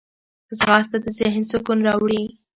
ځغاسته د ذهن سکون راوړي